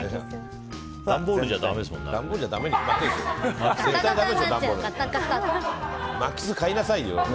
段ボールじゃだめですよね。